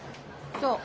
そう。